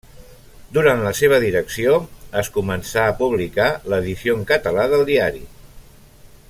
Durant la seva direcció, es començà a publicar l'edició en català del diari.